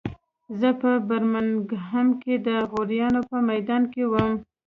زه په برمنګهم کې د غویانو په میدان کې وم